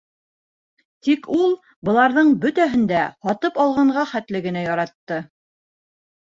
Тик ул быларҙың бөтәһен дә һатып алғанға хәтле генә яратты.